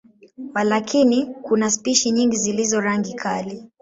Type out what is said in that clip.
Walakini, kuna spishi nyingi zilizo rangi kali.